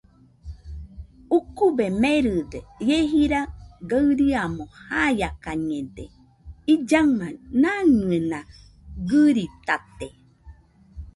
Ukube meride ie jira gaɨriamo jaiakañede; illaɨma maimɨena gɨritate